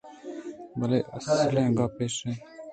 بلے اصلیں گپّ اِش اِنت